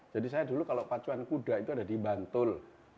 jadi saya dulu kalau pacuan kuda itu ada di bantul